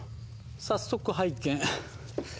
早速拝見。